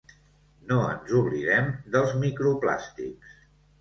No ens oblidem dels microplàstics.